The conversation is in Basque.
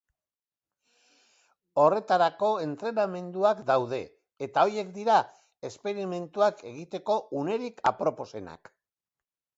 Horretarako, entrenamenduak daude, eta horiek dira esperimentuak egiteko unerik aproposenak.